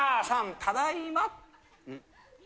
・ただいま。